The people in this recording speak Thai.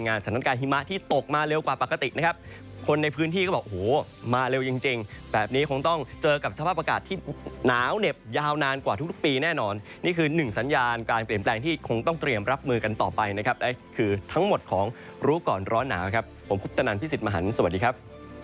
สถานการณ์หิมะที่ตกมาเร็วกว่าปกตินะครับคนในพื้นที่ก็บอกโอ้โหมาเร็วจริงจริงแบบนี้คงต้องเจอกับสภาพอากาศที่หนาวเหน็บยาวนานกว่าทุกปีแน่นอนนี่คือหนึ่งสัญญาณการเปลี่ยนแปลงที่คงต้องเตรียมรับมือกันต่อไปนะครับคือทั้งหมดของรู้ก่อนร้อนหนาวครับผมคุปตนันพี่สิทธิมหันฯสวัสดีครับ